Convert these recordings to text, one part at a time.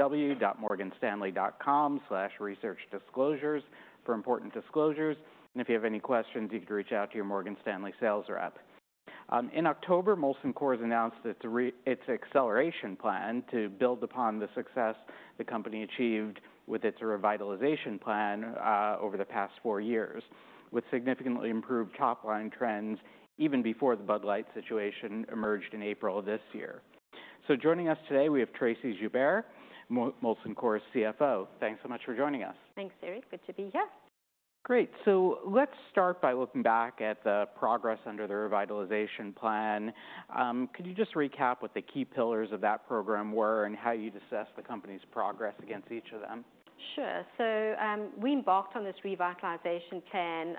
www.morganstanley.com/researchdisclosures for important disclosures, and if you have any questions, you can reach out to your Morgan Stanley sales rep. In October, Molson Coors announced its acceleration plan to build upon the success the company achieved with its revitalization plan over the past four years, with significantly improved top-line trends even before the Bud Light situation emerged in April of this year. So joining us today, we have Tracey Joubert, Molson Coors CFO. Thanks so much for joining us. Thanks, Eric. Good to be here. Great. Let's start by looking back at the progress under the Revitalization Plan. Could you just recap what the key pillars of that program were, and how you'd assess the company's progress against each of them? Sure. So, we embarked on this Revitalization Plan,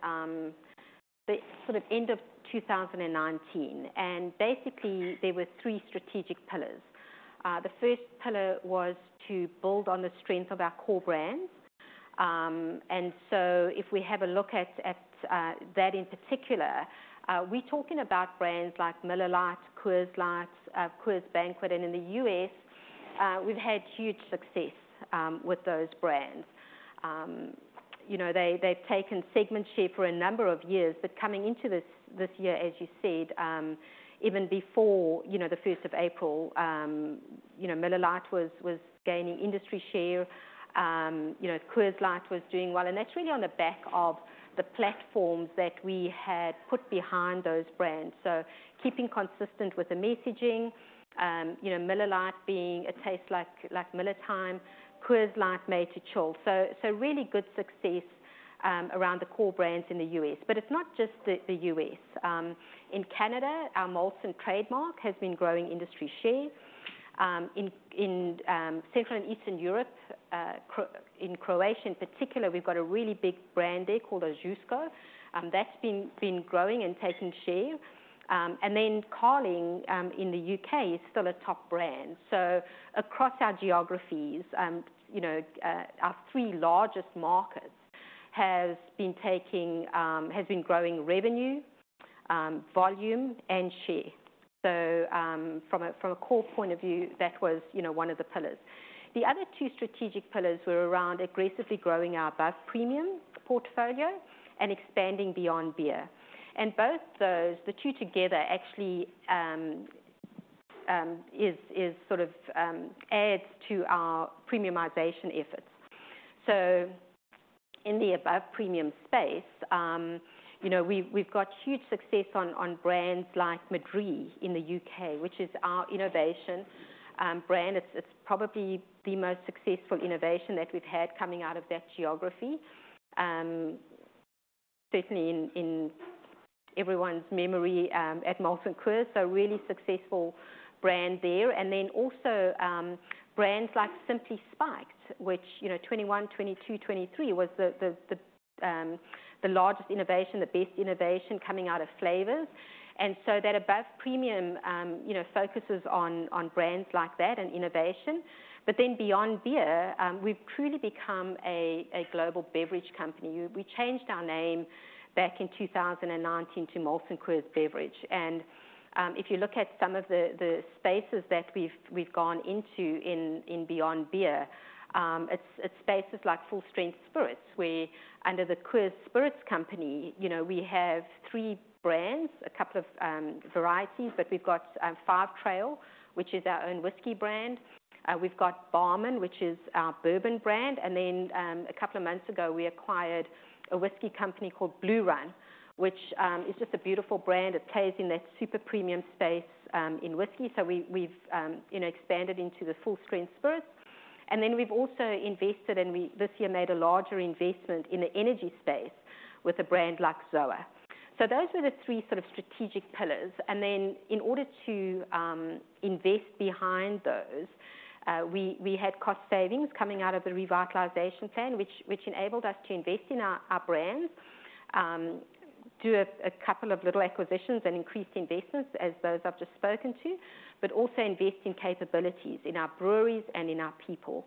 the sort of end of 2019, and basically, there were three strategic pillars. The first pillar was to build on the strength of our core brands. And so if we have a look at, at, that in particular, we're talking about brands like Miller Lite, Coors Light, Coors Banquet, and in the U.S., we've had huge success, with those brands. You know, they, they've taken segment share for a number of years, but coming into this, this year, as you said, even before, you know, the first of April, you know, Miller Lite was, was gaining industry share. You know, Coors Light was doing well, and that's really on the back of the platforms that we had put behind those brands. So keeping consistent with the messaging, you know, Miller Lite being it tastes like, like Miller time, Coors Light, made to chill. So really good success around the core brands in the U.S. But it's not just the U.S. In Canada, our Molson trademark has been growing industry share. In Central and Eastern Europe, in Croatia in particular, we've got a really big brand there called Ožujsko, that's been growing and taking share. And then Carling in the U.K. is still a top brand. So across our geographies, you know, our three largest markets has been growing revenue, volume and share. So from a core point of view, that was, you know, one of the pillars. The other two strategic pillars were around aggressively growing our above-premium portfolio and expanding beyond beer. Both those, the two together, actually, is sort of adds to our premiumization efforts. So in the above-premium space, you know, we've got huge success on brands like Madrí in the U.K., which is our innovation brand. It's probably the most successful innovation that we've had coming out of that geography, certainly in everyone's memory at Molson Coors, so really successful brand there. Then also, brands like Simply Spiked, which, you know, 2021, 2022, 2023 was the largest innovation, the best innovation coming out of flavors. And so that above-premium, you know, focuses on brands like that and innovation. Then beyond beer, we've truly become a global beverage company. We changed our name back in 2019 to Molson Coors Beverage. And if you look at some of the spaces that we've gone into in beyond beer, it's spaces like full-strength spirits, where under the Coors Spirits Company, you know, we have three brands, a couple of varieties, but we've got Five Trail, which is our own whiskey brand. We've got Barmen, which is our bourbon brand, and then a couple of months ago, we acquired a whiskey company called Blue Run, which is just a beautiful brand. It plays in that super premium space in whiskey. So we've, you know, expanded into the full-strength spirits. And then we've also invested, and we this year made a larger investment in the energy space with a brand like ZOA. So those are the three sort of strategic pillars. And then in order to invest behind those, we had cost savings coming out of the Revitalization Plan, which enabled us to invest in our brands, do a couple of little acquisitions and increased investments as those I've just spoken to, but also invest in capabilities in our breweries and in our people.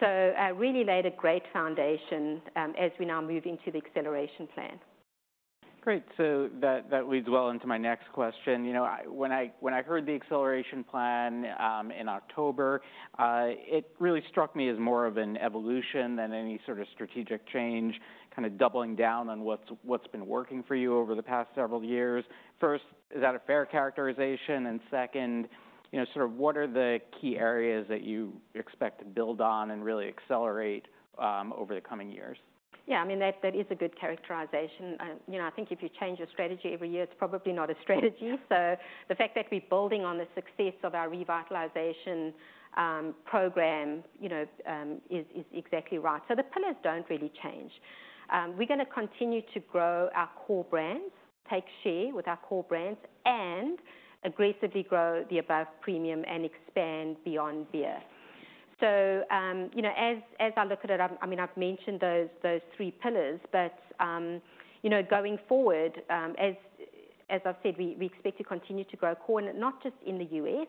So really laid a great foundation, as we now move into the Acceleration Plan. Great. So that leads well into my next question. You know, when I heard the Acceleration Plan in October, it really struck me as more of an evolution than any sort of strategic change, kind of doubling down on what's been working for you over the past several years. First, is that a fair characterization? And second, you know, sort of, what are the key areas that you expect to build on and really accelerate over the coming years? Yeah, I mean, that is a good characterization. You know, I think if you change your strategy every year, it's probably not a strategy. So the fact that we're building on the success of our revitalization program is exactly right. So the pillars don't really change. We're gonna continue to grow our core brands, take share with our core brands, and aggressively grow the above-premium and expand beyond beer. So, you know, as I look at it, I mean, I've mentioned those three pillars, but you know, going forward, as I've said, we expect to continue to grow core, not just in the U.S.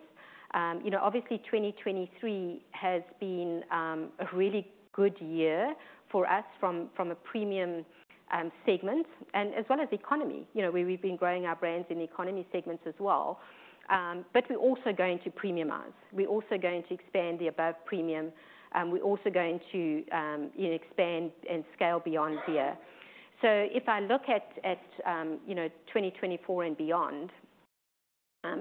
You know, obviously 2023 has been a really good year for us from a premium segment and as well as economy. You know, we've been growing our brands in the economy segments as well. But we're also going to premiumize. We're also going to expand the above premium, and we're also going to, you know, expand and scale beyond beer... So if I look at you know, 2024 and beyond,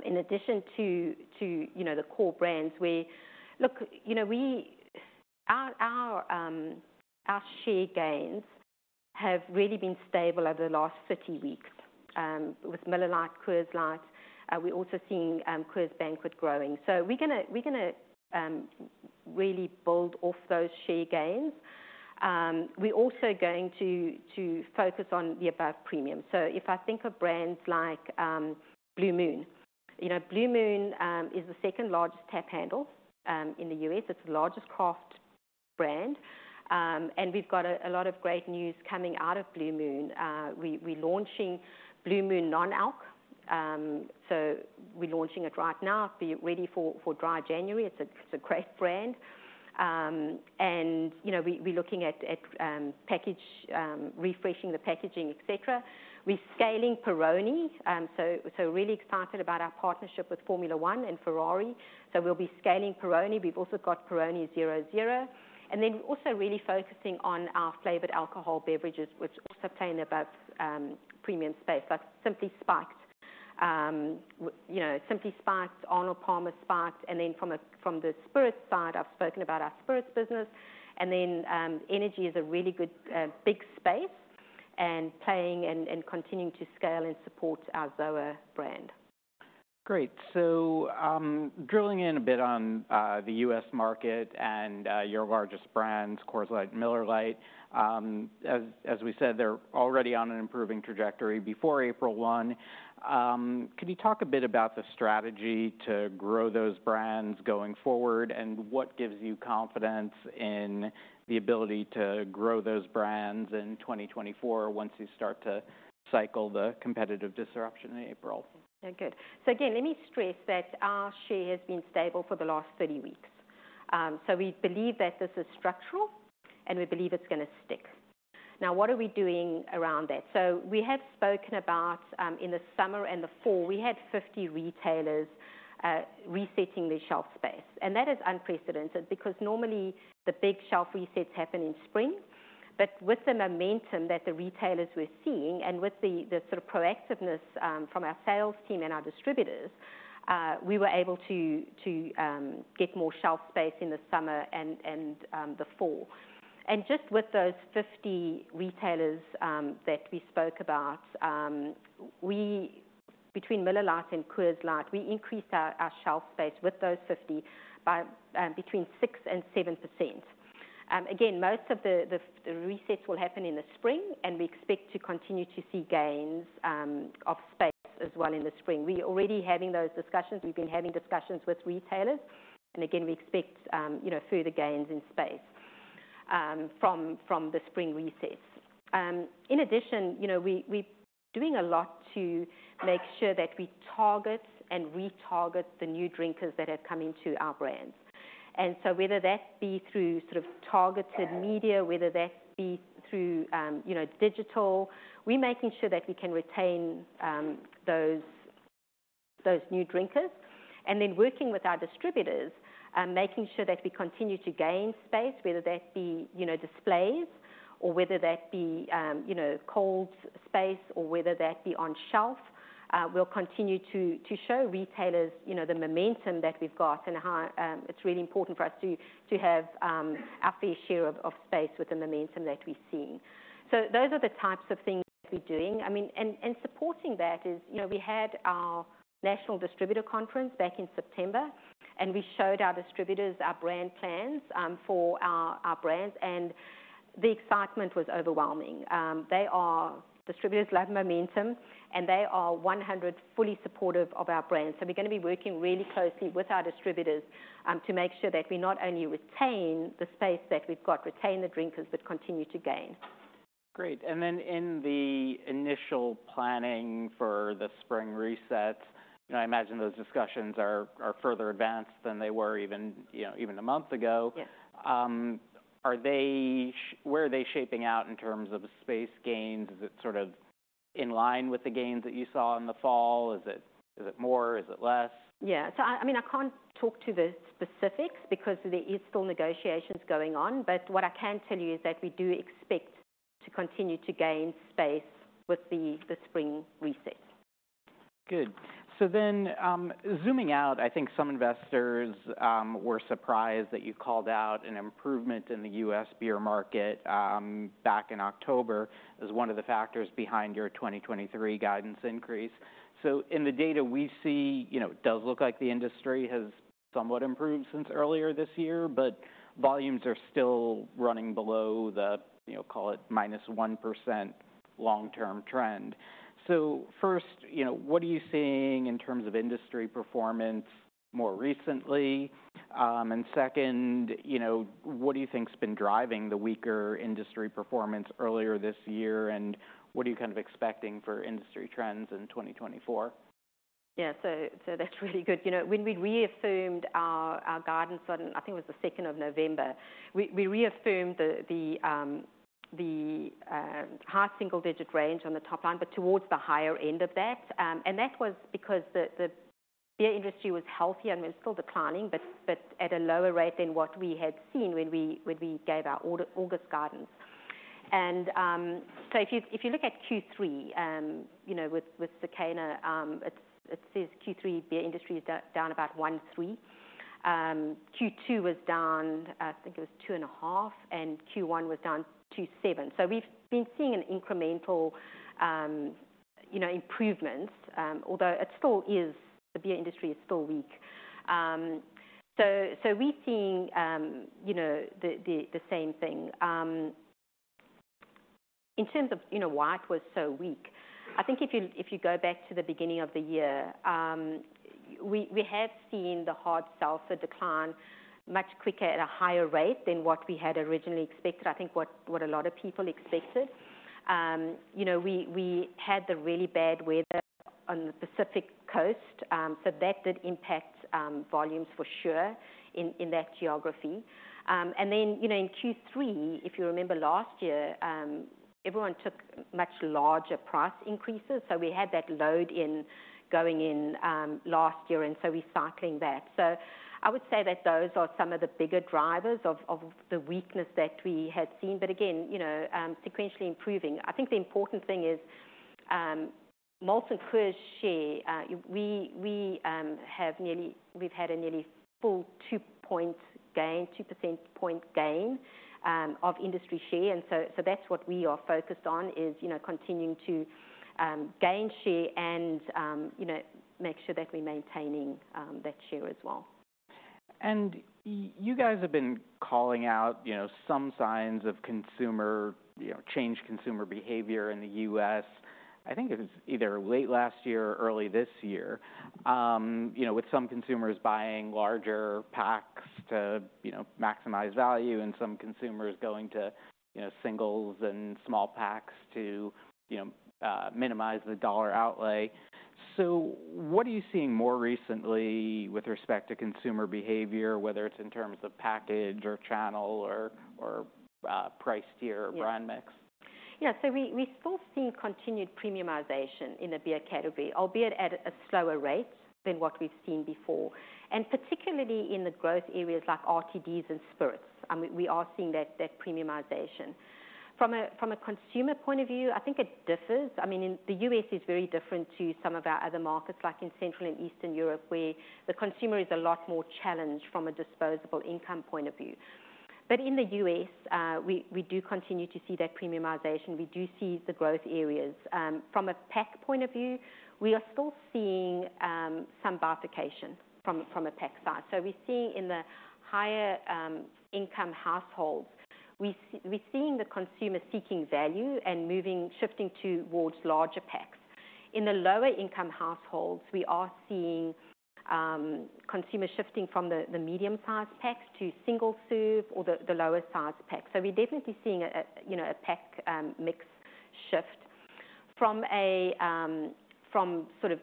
in addition to you know, the core brands, we. Look, you know, we, our, our, our share gains have really been stable over the last 30 weeks, with Miller Lite, Coors Light. We're also seeing Coors Banquet growing. So we're gonna really build off those share gains. We're also going to focus on the above premium. So if I think of brands like Blue Moon, you know, Blue Moon is the second-largest tap handle in the U.S. It's the largest craft brand, and we've got a lot of great news coming out of Blue Moon. We're launching Blue Moon Non-Alc. So we're launching it right now. Be ready for Dry January. It's a great brand. And, you know, we're looking at packaging, refreshing the packaging, et cetera. We're scaling Peroni. So really excited about our partnership with Formula One and Ferrari. So we'll be scaling Peroni. We've also got Peroni Zero Zero. And then also really focusing on our flavored alcohol beverages, which also play in above premium space, like Simply Spiked. You know, Simply Spiked, Arnold Palmer Spiked, and then from the spirits side, I've spoken about our spirits business. And then, energy is a really good big space and playing and continuing to scale and support our ZOA brand. Great. So, drilling in a bit on the U.S. market and your largest brands, Coors Light, Miller Lite. As we said, they're already on an improving trajectory before April 1. Could you talk a bit about the strategy to grow those brands going forward, and what gives you confidence in the ability to grow those brands in 2024 once you start to cycle the competitive disruption in April? Okay, good. So again, let me stress that our share has been stable for the last 30 weeks. So we believe that this is structural, and we believe it's gonna stick. Now, what are we doing around that? So we have spoken about, in the summer and the fall, we had 50 retailers resetting their shelf space, and that is unprecedented because normally the big shelf resets happen in spring. But with the momentum that the retailers were seeing and with the sort of proactiveness from our sales team and our distributors, we were able to get more shelf space in the summer and the fall. And just with those 50 retailers that we spoke about, we... Between Miller Lite and Coors Light, we increased our shelf space with those 50 by between 6% and 7%. Again, most of the resets will happen in the spring, and we expect to continue to see gains of space as well in the spring. We're already having those discussions. We've been having discussions with retailers, and again, we expect you know, further gains in space from the spring resets. In addition, you know, we're doing a lot to make sure that we target and retarget the new drinkers that are coming to our brands. And so whether that be through sort of targeted media, whether that be through you know, digital, we're making sure that we can retain those new drinkers. Then working with our distributors, making sure that we continue to gain space, whether that be, you know, displays or whether that be, you know, cold space or whether that be on shelf. We'll continue to show retailers, you know, the momentum that we've got and how it's really important for us to have our fair share of space with the momentum that we're seeing. So those are the types of things we're doing. I mean, supporting that is, you know, we had our national distributor conference back in September, and we showed our distributors our brand plans for our brands, and the excitement was overwhelming. They are. Distributors love momentum, and they are 100% fully supportive of our brands. So we're gonna be working really closely with our distributors to make sure that we not only retain the space that we've got, retain the drinkers, but continue to gain. Great. And then in the initial planning for the spring resets, and I imagine those discussions are further advanced than they were even, you know, even a month ago. Yes. Are they shaping out in terms of space gains? Is it sort of in line with the gains that you saw in the fall? Is it, is it more? Is it less? Yeah. So I mean, I can't talk to the specifics because there is still negotiations going on, but what I can tell you is that we do expect to continue to gain space with the spring reset. Good. So then, zooming out, I think some investors were surprised that you called out an improvement in the U.S. beer market back in October, as one of the factors behind your 2023 guidance increase. So in the data we see, you know, it does look like the industry has somewhat improved since earlier this year, but volumes are still running below the, you know, call it -1% long-term trend. So first, you know, what are you seeing in terms of industry performance more recently? And second, you know, what do you think's been driving the weaker industry performance earlier this year, and what are you kind of expecting for industry trends in 2024? Yeah. So that's really good. You know, when we reaffirmed our guidance on, I think it was the second of November, we reaffirmed the high single-digit range on the top line, but towards the higher end of that. And that was because the industry was healthier and was still declining, but at a lower rate than what we had seen when we gave our August guidance. So if you look at Q3, you know, with Circana, it says Q3 beer industry is down about 1.3%. Q2 was down, I think it was 2.5%, and Q1 was down 2.7%. So we've been seeing an incremental, you know, improvement, although the beer industry is still weak. So, we're seeing, you know, the same thing. In terms of, you know, why it was so weak, I think if you go back to the beginning of the year, we have seen the hard seltzer decline much quicker at a higher rate than what we had originally expected, I think what a lot of people expected. You know, we had the really bad weather on the Pacific Coast, so that did impact volumes for sure in that geography. And then, you know, in Q3, if you remember last year, everyone took much larger price increases, so we had that load in going in last year, and so we're cycling that. So I would say that those are some of the bigger drivers of the weakness that we had seen. But again, you know, sequentially improving. I think the important thing is, Molson Coors share, we have nearly... We've had a nearly full 2-point gain, 2 percentage point gain, of industry share, and so that's what we are focused on, is, you know, continuing to gain share and, you know, make sure that we're maintaining that share as well. And you guys have been calling out, you know, some signs of consumer, you know, changed consumer behavior in the U.S. I think it was either late last year or early this year, you know, with some consumers buying larger packs to, you know, maximize value, and some consumers going to, you know, singles and small packs to, you know, minimize the dollar outlay. So what are you seeing more recently with respect to consumer behavior, whether it's in terms of package or channel or price tier or brand mix? Yeah. So we still see continued premiumization in the beer category, albeit at a slower rate than what we've seen before, and particularly in the growth areas like RTDs and spirits. We are seeing that premiumization. From a consumer point of view, I think it differs. I mean, in the U.S. is very different to some of our other markets, like in Central and Eastern Europe, where the consumer is a lot more challenged from a disposable income point of view. But in the U.S., we do continue to see that premiumization. We do see the growth areas. From a pack point of view, we are still seeing some bifurcation from a pack size. So we're seeing in the higher income households, we're seeing the consumer seeking value and moving, shifting towards larger packs. In the lower income households, we are seeing consumers shifting from the medium-sized packs to single serve or the lower sized packs. So we're definitely seeing a you know a pack mix shift. From sort of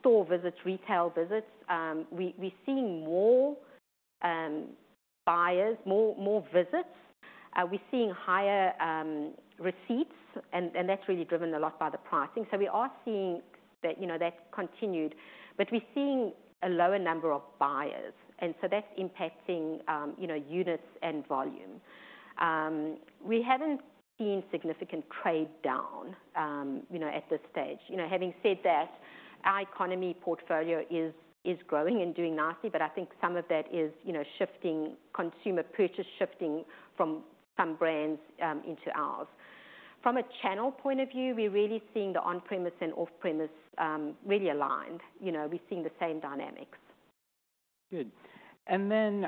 store visits, retail visits, we're seeing more buyers, more visits. We're seeing higher receipts, and that's really driven a lot by the pricing. So we are seeing that you know that continued, but we're seeing a lower number of buyers, and so that's impacting you know units and volume. We haven't seen significant trade down you know at this stage. You know, having said that, our economy portfolio is growing and doing nicely, but I think some of that is you know shifting consumer purchase shifting from some brands into ours. From a channel point of view, we're really seeing the on-premise and off-premise, really aligned. You know, we're seeing the same dynamics. Good. And then,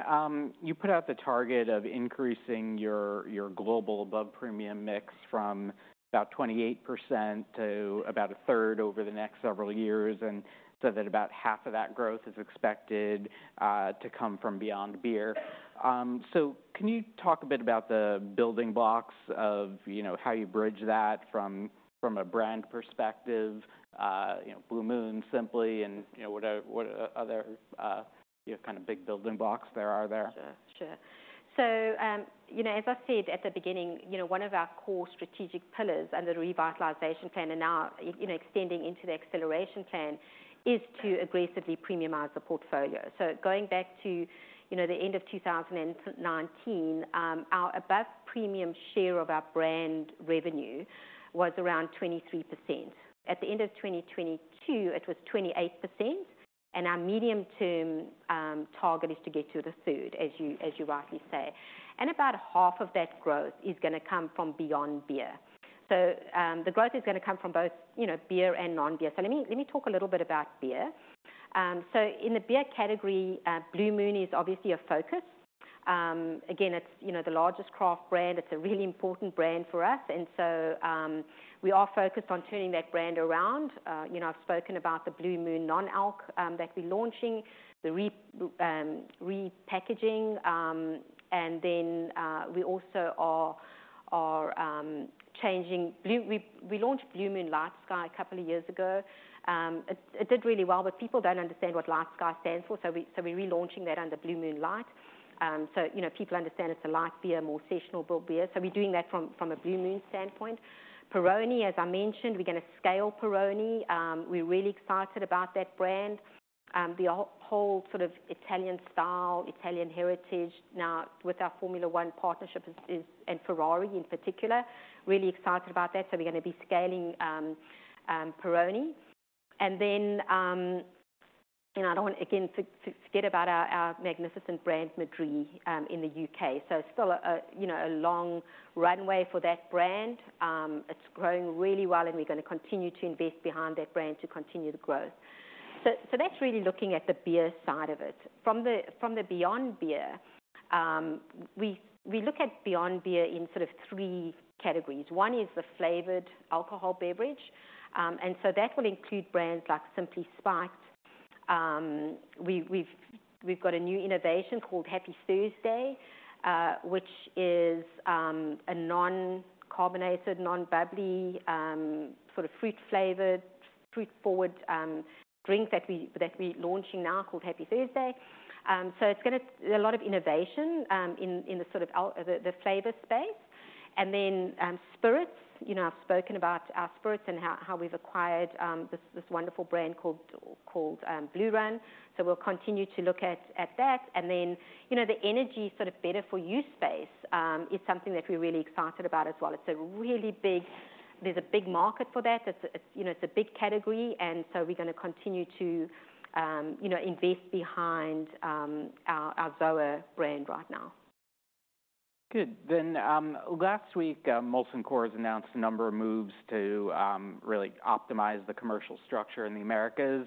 you put out the target of increasing your, your global above-premium mix from about 28% to about a third over the next several years, and so that about half of that growth is expected to come from beyond beer. So can you talk a bit about the building blocks of, you know, how you bridge that from, from a brand perspective? You know, Blue Moon, Simply, and, you know, what, what other, you know, kind of big building blocks there are there? Sure, sure. So, you know, as I said at the beginning, you know, one of our core strategic pillars in the Revitalization Plan and now, you know, extending into the Acceleration Plan, is to aggressively premiumize the portfolio. So going back to, you know, the end of 2019, our above-premium share of our brand revenue was around 23%. At the end of 2022, it was 28%, and our medium-term target is to get to thirty, as you rightly say. And about half of that growth is gonna come from beyond beer. So, the growth is gonna come from both, you know, beer and non-beer. So let me talk a little bit about beer. So in the beer category, Blue Moon is obviously a focus. Again, it's, you know, the largest craft brand. It's a really important brand for us. And so, we are focused on turning that brand around. You know, I've spoken about the Blue Moon Non-Alc that we're launching, the repackaging. And then, we also are changing Blue Moon. We launched Blue Moon Light Sky a couple of years ago. It did really well, but people don't understand what Light Sky stands for, so we're relaunching that under Blue Moon Light. So you know, people understand it's a light beer, more seasonal beer. So we're doing that from a Blue Moon standpoint. Peroni, as I mentioned, we're gonna scale Peroni. We're really excited about that brand. The whole sort of Italian style, Italian heritage, now with our Formula One partnership is, and Ferrari in particular, really excited about that. So we're going to be scaling Peroni. And then, and I don't want, again, to forget about our magnificent brand, Madrí in the U.K. So still a you know a long runway for that brand. It's growing really well, and we're going to continue to invest behind that brand to continue the growth. So that's really looking at the beer side of it. From the beyond beer, we look at beyond beer in sort of three categories. One is the flavored alcohol beverage, and so that will include brands like Simply Spiked. We've got a new innovation called Happy Thursday, which is a non-carbonated, non-bubbly, sort of fruit-flavored, fruit-forward drink that we're launching now called Happy Thursday. So it's gonna a lot of innovation in the sort of flavor space. And then, spirits, you know, I've spoken about our spirits and how we've acquired this wonderful brand called Blue Run. So we'll continue to look at that. And then, you know, the energy sort of better for you space is something that we're really excited about as well. It's a really big. There's a big market for that. It's you know a big category, and so we're going to continue to you know invest behind our ZOA brand right now. Good. Then, last week, Molson Coors announced a number of moves to, really optimize the commercial structure in the Americas.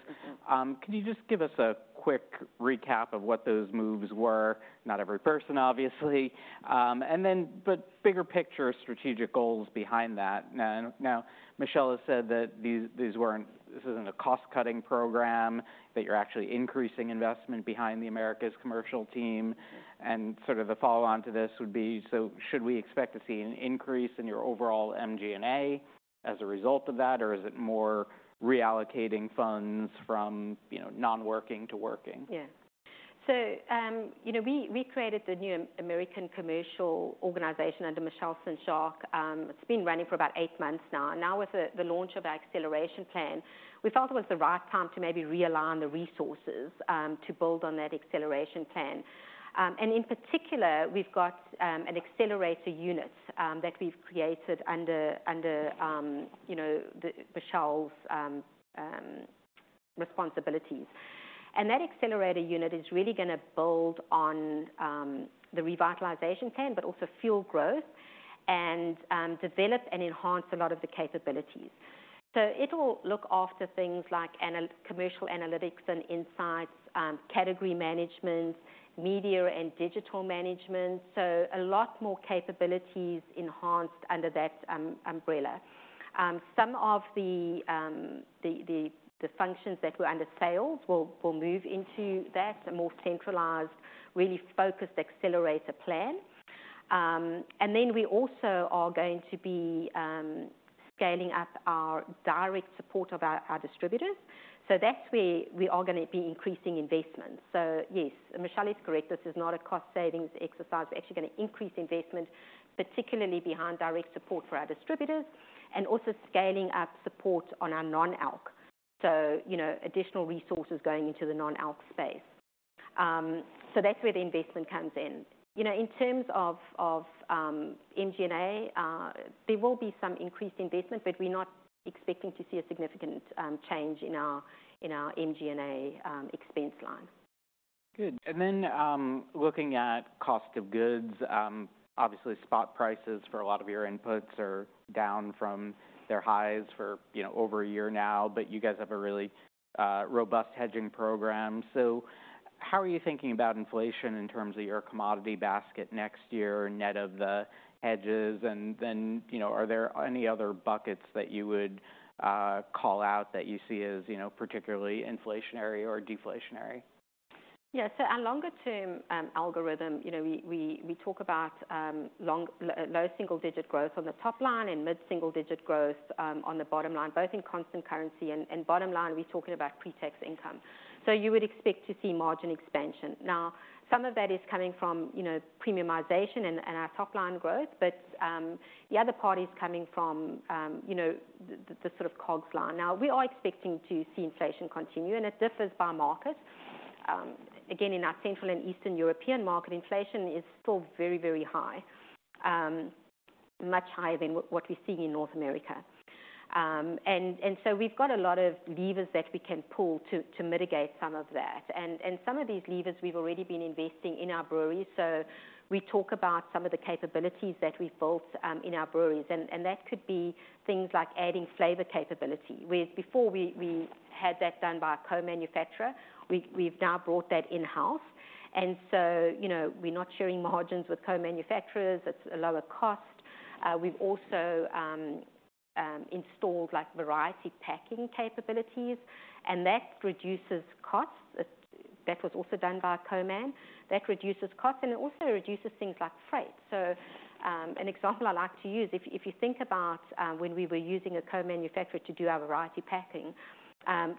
Mm-hmm. Can you just give us a quick recap of what those moves were? Not every person, obviously, and then, but bigger picture strategic goals behind that. Now, now, Michelle has said that these, these weren't. This isn't a cost-cutting program, that you're actually increasing investment behind the Americas commercial team. And sort of the follow-on to this would be, so should we expect to see an increase in your overall MG&A as a result of that? Or is it more reallocating funds from, you know, non-working to working? Yeah. So, you know, we created the new American commercial organization under Michelle St. Jacques. It's been running for about eight months now. Now, with the launch of our Acceleration Plan, we felt it was the right time to maybe realign the resources, to build on that Acceleration Plan. And in particular, we've got an accelerator unit that we've created under, you know, Michelle's responsibilities. And that accelerator unit is really gonna build on the Revitalization Plan, but also fuel growth and develop and enhance a lot of the capabilities. So it will look after things like analytical commercial analytics and insights, category management, media and digital management. So a lot more capabilities enhanced under that umbrella. Some of the functions that were under sales will move into that a more centralized, really focused accelerator plan. And then we also are going to be scaling up our direct support of our distributors. So that's where we are going to be increasing investment. So yes, Michelle is correct. This is not a cost savings exercise. We're actually going to increase investment, particularly behind direct support for our distributors and also scaling up support on our non-alc. So, you know, additional resources going into the non-alc space. So that's where the investment comes in. You know, in terms of MG&A, there will be some increased investment, but we're not expecting to see a significant change in our MG&A expense line. Good. And then, looking at cost of goods, obviously, spot prices for a lot of your inputs are down from their highs for, you know, over a year now, but you guys have a really, robust hedging program. So how are you thinking about inflation in terms of your commodity basket next year, net of the hedges? And then, you know, are there any other buckets that you would, call out that you see as, you know, particularly inflationary or deflationary? Yeah. So our longer-term algorithm, you know, we talk about low single digit growth on the top line and mid-single digit growth on the bottom line, both in constant currency. And bottom line, we're talking about pre-tax income. So you would expect to see margin expansion. Now, some of that is coming from, you know, premiumization and our top-line growth, but the other part is coming from, you know, the sort of COGS line. Now, we are expecting to see inflation continue, and it differs by market. Again, in our Central and Eastern European market, inflation is still very, very high, much higher than what we're seeing in North America. And so we've got a lot of levers that we can pull to mitigate some of that. And some of these levers we've already been investing in our breweries. So we talk about some of the capabilities that we've built in our breweries, and that could be things like adding flavor capability, where before we had that done by a co-manufacturer, we've now brought that in-house. And so, you know, we're not sharing margins with co-manufacturers. It's a lower cost. We've also installed like variety packing capabilities, and that reduces costs. That was also done by a co-man. That reduces costs, and it also reduces things like freight. So, an example I like to use, if you think about when we were using a co-manufacturer to do our variety packing,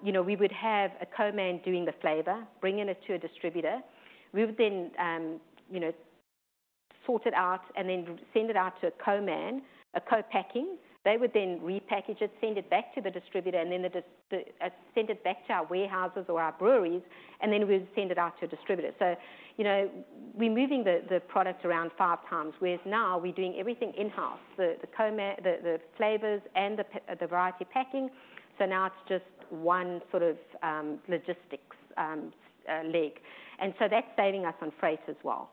you know, we would have a co-man doing the flavor, bringing it to a distributor. We would then, you know, sort it out, and then send it out to a co-man, a co-packing. They would then repackage it, send it back to the distributor, and then send it back to our warehouses or our breweries, and then we'll send it out to a distributor. So, you know, we're moving the product around five times, whereas now we're doing everything in-house, the flavors and the variety packing. So now it's just one sort of logistics leg, and so that's saving us on freight as well.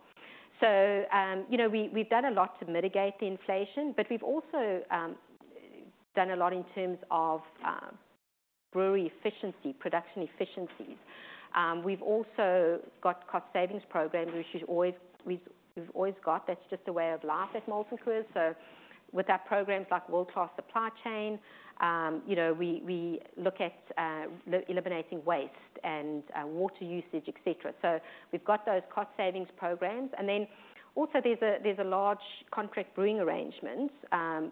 So, you know, we, we've done a lot to mitigate the inflation, but we've also done a lot in terms of brewery efficiency, production efficiencies. We've also got cost savings programs, which we've always got. That's just a way of life at Molson Coors. So with our programs like World-Class Supply Chain, you know, we, we look at eliminating waste and water usage, et cetera. So we've got those cost savings programs, and then also there's a large contract brewing arrangement,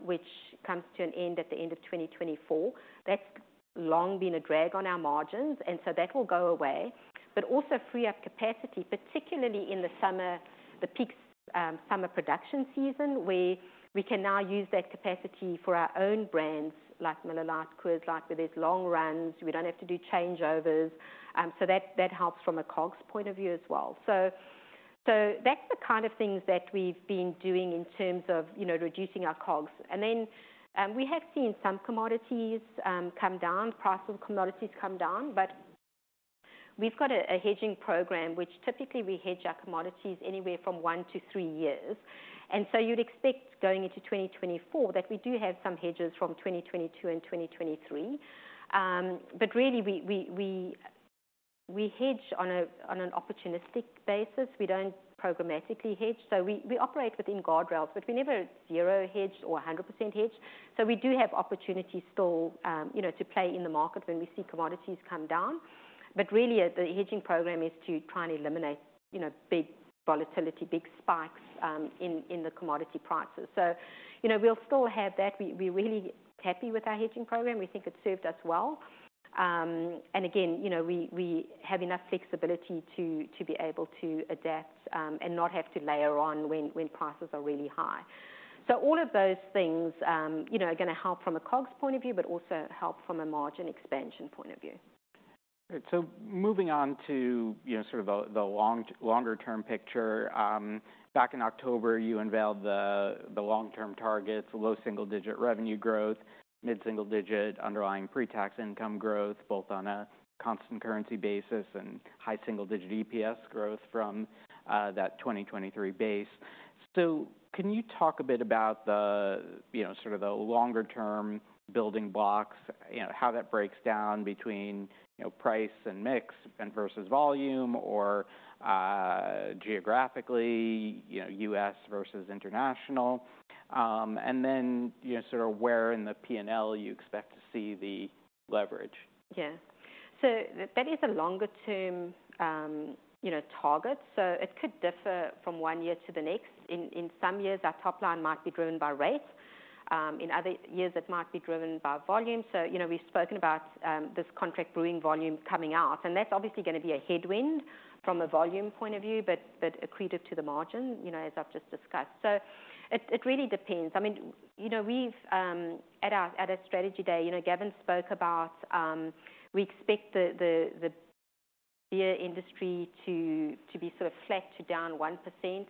which comes to an end at the end of 2024. That's long been a drag on our margins, and so that will go away, but also free up capacity, particularly in the summer, the peak summer production season, where we can now use that capacity for our own brands, like Miller Lite Coors, like, where there's long runs, we don't have to do changeovers. So that helps from a COGS point of view as well. So that's the kind of things that we've been doing in terms of, you know, reducing our COGS. And then we have seen some commodities come down, price of commodities come down, but we've got a hedging program, which typically we hedge our commodities anywhere from 1 to 3 years. And so you'd expect, going into 2024, that we do have some hedges from 2022 and 2023. But really, we hedge on an opportunistic basis. We don't programmatically hedge, so we operate within guardrails, but we never 0 hedged or 100% hedged. So we do have opportunities still, you know, to play in the market when we see commodities come down. But really, the hedging program is to try and eliminate, you know, big volatility, big spikes in the commodity prices. So, you know, we'll still have that. We're really happy with our hedging program. We think it's served us well. And again, you know, we have enough flexibility to be able to adapt, and not have to layer on when prices are really high. So all of those things, you know, are gonna help from a COGS point of view, but also help from a margin expansion point of view. So moving on to, you know, sort of the longer-term picture. Back in October, you unveiled the long-term targets: low single-digit revenue growth, mid-single-digit underlying pre-tax income growth, both on a constant currency basis, and high single-digit EPS growth from that 2023 base. So can you talk a bit about the, you know, sort of the longer-term building blocks, you know, how that breaks down between, you know, price and mix and versus volume or geographically, you know, U.S. versus international? And then, you know, sort of where in the P&L you expect to see the leverage. Yeah. So that is a longer-term, you know, target, so it could differ from one year to the next. In some years, our top line might be driven by rate. In other years, it might be driven by volume. So, you know, we've spoken about, this contract brewing volume coming out, and that's obviously gonna be a headwind from a volume point of view, but accretive to the margin, you know, as I've just discussed. So it really depends. I mean, you know, we've... At our Strategy Day, you know, Gavin spoke about, we expect the beer industry to be sort of flat to down 1%.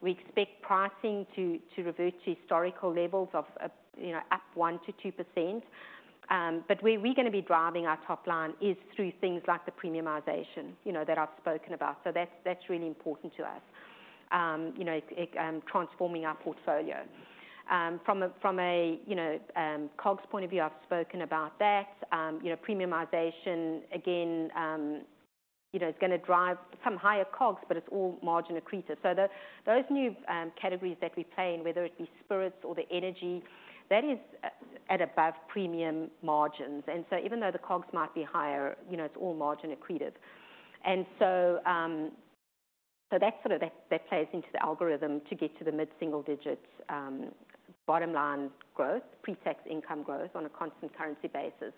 We expect pricing to revert to historical levels of, you know, up 1%-2%. But where we're gonna be driving our top line is through things like the premiumization, you know, that I've spoken about. So that's, that's really important to us, you know, it, transforming our portfolio. From a, from a, you know, COGS point of view, I've spoken about that. You know, premiumization, again, you know, is gonna drive some higher COGS, but it's all margin accretive. So the- those new, categories that we play in, whether it be spirits or the energy, that is at above-premium margins. And so even though the COGS might be higher, you know, it's all margin accretive. And so, so that's sort of that, that plays into the algorithm to get to the mid-single digits, bottom line growth, pre-tax income growth on a constant currency basis.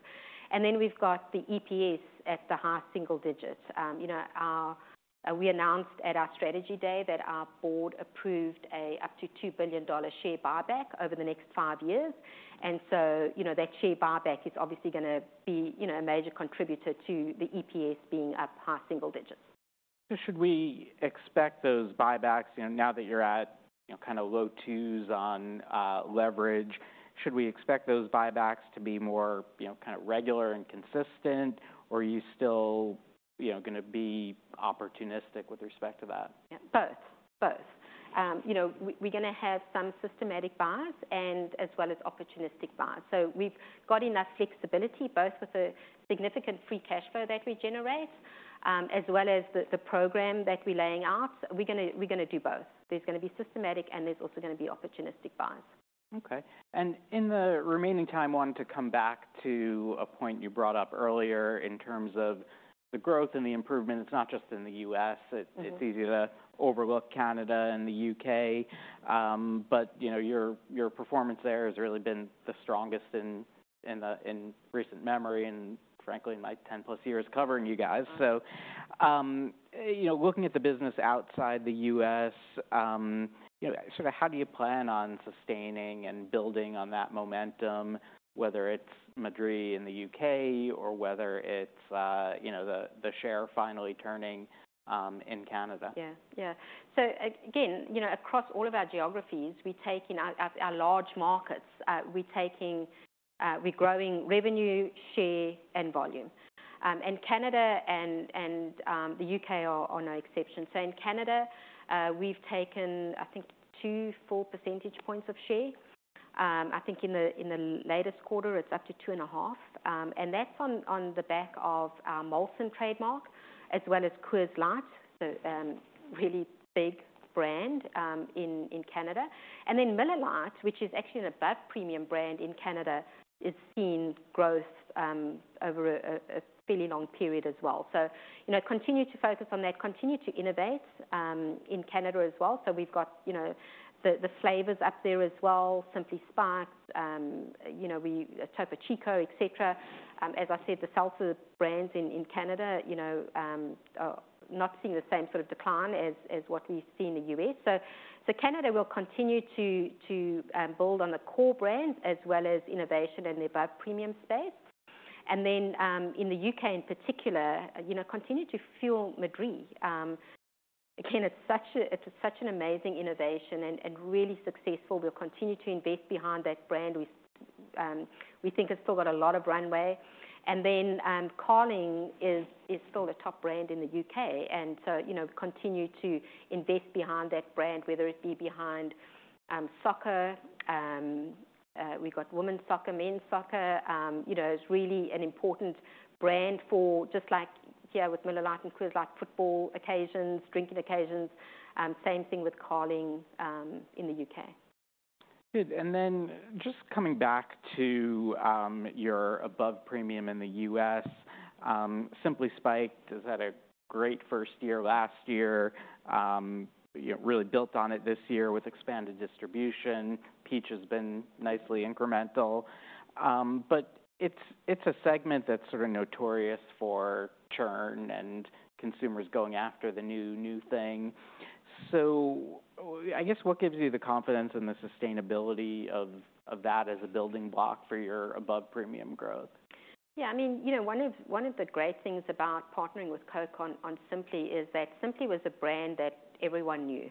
And then we've got the EPS at the high single digits. You know, our. We announced at our Strategy Day that our board approved a up to $2,000,000,000 share buyback over the next five years. And so, you know, that share buyback is obviously gonna be, you know, a major contributor to the EPS being up high single digits. So should we expect those buybacks, you know, now that you're at, you know, kind of low 2s on leverage, should we expect those buybacks to be more, you know, kind of regular and consistent, or are you still, you know, gonna be opportunistic with respect to that? Yeah, both. Both. You know, we're gonna have some systematic buys as well as opportunistic buys. So we've got enough flexibility, both with the significant free cash flow that we generate, as well as the program that we're laying out. We're gonna do both. There's gonna be systematic, and there's also gonna be opportunistic buys. Okay. In the remaining time, I wanted to come back to a point you brought up earlier in terms of the growth and the improvement. It's not just in the U.S.- Mm-hmm. It, it's easy to overlook Canada and the UK. But, you know, your performance there has really been the strongest in recent memory and frankly, my 10-plus years covering you guys. Mm-hmm. So, you know, looking at the business outside the U.S., you know, sort of how do you plan on sustaining and building on that momentum, whether it's Madri and the U.K., or whether it's, you know, the, the share finally turning, in Canada? Yeah, yeah. So again, you know, across all of our geographies, we're taking our large markets, we're growing revenue, share, and volume. And Canada and the U.K. are no exception. So in Canada, we've taken, I think, 2 full percentage points of share. I think in the latest quarter, it's up to 2.5. And that's on the back of our Molson trademark, as well as Coors Light, so really big brand in Canada. And then Miller Lite, which is actually an above-premium brand in Canada, is seeing growth over a fairly long period as well. So, you know, continue to focus on that, continue to innovate in Canada as well. So we've got, you know, the flavors up there as well, Simply Spiked, you know, Topo Chico, et cetera. As I said, the seltzer brands in Canada, you know, are not seeing the same sort of decline as what we see in the U.S. So Canada will continue to build on the core brands as well as innovation in the above-premium space. And then, in the U.K. in particular, you know, continue to fuel Madrí. Again, it's such an amazing innovation and really successful. We'll continue to invest behind that brand. We think it's still got a lot of runway. And then, Carling is still a top brand in the U.K., and so, you know, continue to invest behind that brand, whether it be behind soccer, we've got women's soccer, men's soccer. You know, it's really an important brand for just like here with Miller Lite and Coors Light, football occasions, drinking occasions, same thing with Carling in the U.K. Good. And then just coming back to, your above-premium in the U.S., Simply Spiked has had a great first year last year. You know, really built on it this year with expanded distribution. Peach has been nicely incremental. But it's, it's a segment that's sort of notorious for churn and consumers going after the new, new thing. So I guess, what gives you the confidence and the sustainability of, of that as a building block for your above-premium growth? Yeah, I mean, you know, one of the great things about partnering with Coke on, on Simply is that Simply was a brand that everyone knew.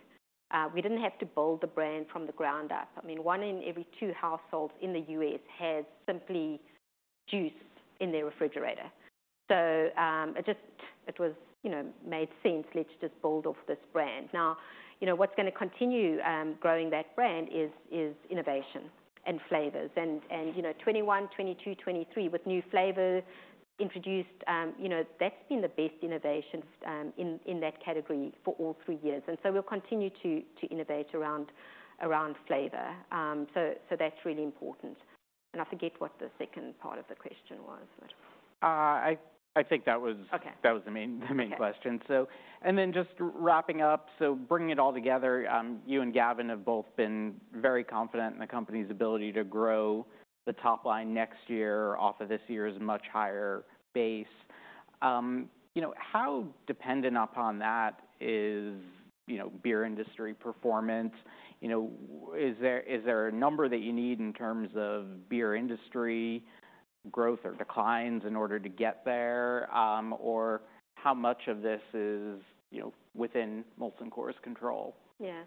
We didn't have to build the brand from the ground up. I mean, one in every two households in the U.S. has Simply Juice in their refrigerator. So, it just... It was, you know, made sense. Let's just build off this brand. Now, you know, what's gonna continue growing that brand is innovation and flavors. And, you know, 2021, 2022, 2023, with new flavors introduced, you know, that's been the best innovation in that category for all three years. And so we'll continue to innovate around flavor. So, that's really important. And I forget what the second part of the question was, but- I think that was- Okay. That was the main, the main question. Okay. And then just wrapping up, bringing it all together, you and Gavin have both been very confident in the company's ability to grow the top line next year off of this year's much higher base. You know, how dependent upon that is, you know, beer industry performance? You know, is there, is there a number that you need in terms of beer industry growth or declines in order to get there? Or how much of this is, you know, within Molson Coors's control? Yeah.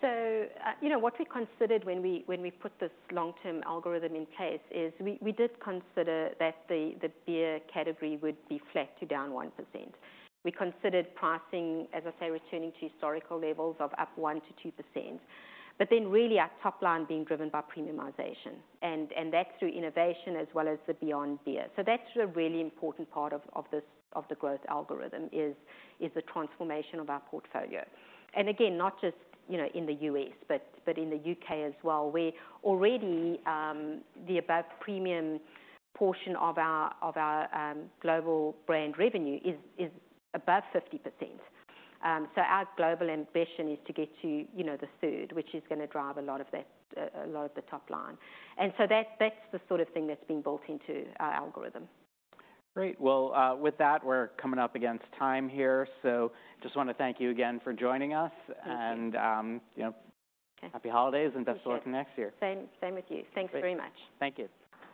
So, you know, what we considered when we, when we put this long-term algorithm in place is we, we did consider that the, the beer category would be flat to down 1%. We considered pricing, as I say, returning to historical levels of up 1%-2%, but then really our top line being driven by premiumization, and, and that's through innovation as well as the beyond beer. So that's the really important part of, of this, of the growth algorithm, is, is the transformation of our portfolio. And again, not just, you know, in the U.S., but, but in the U.K. as well, where already, the above-premium portion of our, of our, global brand revenue is, is above 50%. So our global ambition is to get to, you know, the third, which is gonna drive a lot of that, a lot of the top line. So that's, that's the sort of thing that's been built into our algorithm. Great. Well, with that, we're coming up against time here, so just wanna thank you again for joining us. Thank you. And, you know- Okay. Happy holidays, and best of luck next year. Same, same with you. Thanks very much. Thank you.